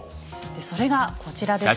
それがこちらですよ。